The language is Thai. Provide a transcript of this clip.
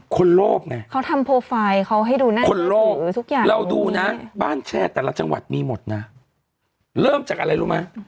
คนโลภไงคนโลภเราดูนะบ้านแช่แต่ละจังหวัดมีหมดนะเริ่มจากอะไรรู้มั้ย